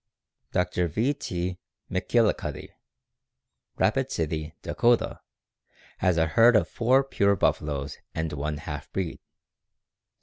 Dr. V. T. McGillicuddy, Rapid City, Dakota, has a herd of four pure buffaloes and one half breed.